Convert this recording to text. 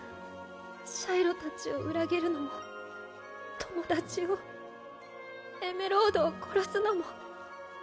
シャイロたちを裏切るのも友達をエメロードを殺すのも。